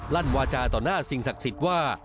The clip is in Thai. ลั่นวาจาต่อหน้าสิ่งศักดิ์สิทธิ์ว่า